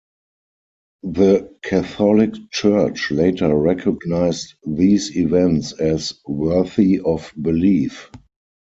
The Catholic Church later recognized these events as "worthy of belief".